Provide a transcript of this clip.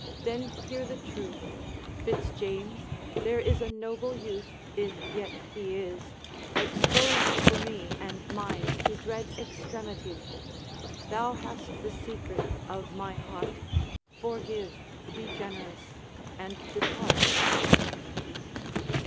then hear the truth! Fitz James, there is a noble youth If yet he is! exposed for me And mine to dread extremity Thou hast the secret of my bears; Forgive, be generous, and depart!'